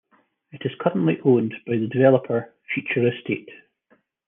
It is currently owned by the developer Future Estate.